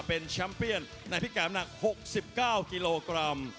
เป็นแชมป์เปียนในพิการหนัก๖๙กิโลกรัม